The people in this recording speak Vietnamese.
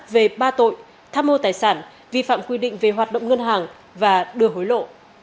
về ba tội tham mô tài sản vi phạm quy định về hoạt động ngân hàng và đưa hối lộ